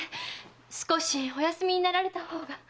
少しお休みになられた方が。